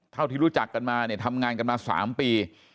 ที่รู้จักกันมาเนี่ยทำงานกันมา๓ปี